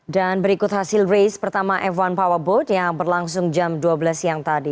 dan berikut hasil race pertama f satu powerboat yang berlangsung jam dua belas siang tadi